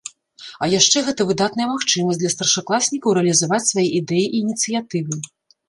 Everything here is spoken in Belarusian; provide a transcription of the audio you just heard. А яшчэ гэта выдатная магчымасць для старшакласнікаў рэалізаваць свае ідэі і ініцыятывы.